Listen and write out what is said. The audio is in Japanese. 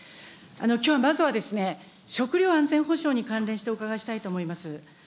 きょう、まずはですね、食料安全保障に関連してお伺いしたいと思います。